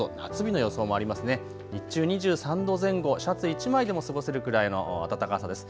日中２３度前後、シャツ１枚でも過ごせるくらいの暖かさです。